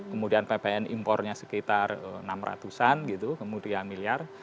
kemudian ppn impornya sekitar enam ratusan kemudian miliar